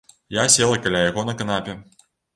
Я села каля яго на канапе.